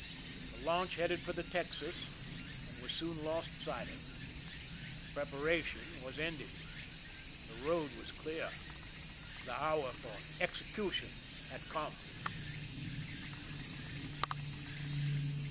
The launch headed for the Texas and was soon lost sight of. Preparation was ended. The road was clear. The hour for execution had come.